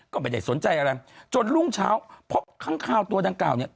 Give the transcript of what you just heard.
ก็ไม่ได้สนใจอะไรจนรุ่งเช้าพบข้างคาวตัวดังกล่าวเนี่ย